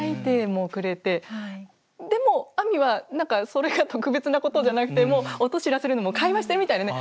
でもあみは何かそれが特別なことじゃなくてもう音知らせるのも会話してるみたいでね